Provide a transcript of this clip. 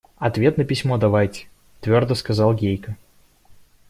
– Ответ на письмо давайте, – твердо сказал Гейка.